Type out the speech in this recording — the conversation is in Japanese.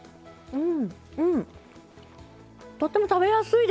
うん。